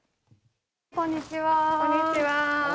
こんにちは。